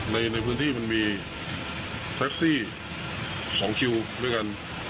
ในพื้นที่มันมีแท็กซี่ของคิวด้วยกัน